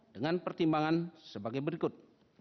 dengan pertimbangan sebagai berikut